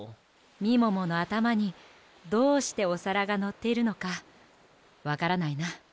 みもものあたまにどうしておさらがのっているのかわからないな。